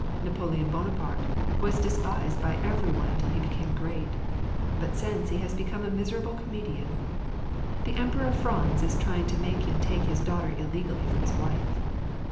Napoleon Bonaparte was despised by every one , until he became great ; but since he has become a miserable comedian, the Emperor Franz is trying to make him take his daughter illegally for his wife.